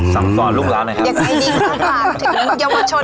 สัมภาษณ์ลูกหลาหน่อยครับอยากใช้ดินของกลาง